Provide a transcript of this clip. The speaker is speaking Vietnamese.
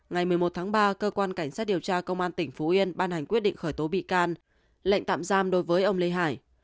ngày một mươi một tháng ba cơ quan cảnh sát điều tra công an tỉnh phú yên ban hành quyết định khởi tố bị can lệnh tạm giam đối với ông lê hải